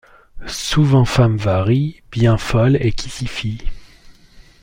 Souvent femme varie, Bien fol est qui s’y fie !